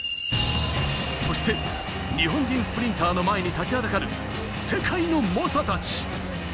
そして日本人スプリンターの前に立ちはだかる世界の猛者たち。